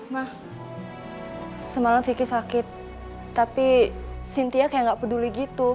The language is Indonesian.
mah semalam vicky sakit tapi cynthia kayak nggak peduli gitu